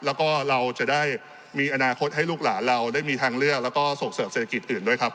แล้วก็เราจะได้มีอนาคตให้ลูกหลานเราได้มีทางเลือกแล้วก็ส่งเสริมเศรษฐกิจอื่นด้วยครับ